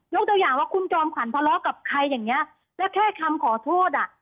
ตัวอย่างว่าคุณจอมขวัญทะเลาะกับใครอย่างเงี้ยแล้วแค่คำขอโทษอ่ะ